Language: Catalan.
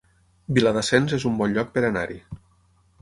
Viladasens es un bon lloc per anar-hi